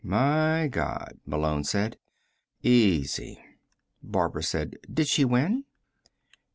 "My God," Malone said. "Easy." Barbara said: "Did she win?"